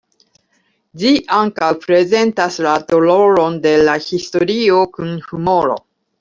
Ĝi ankaŭ prezentas la doloron de la historio kun humoro.